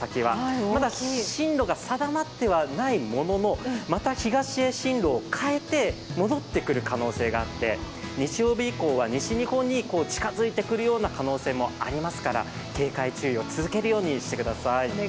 ただ、進路が定まっていないもののまた東へ進路を変えて、戻ってくる可能性があって、日曜日以降は西日本に近づいてくるような可能性もありますから警戒注意を続けるようにしてください。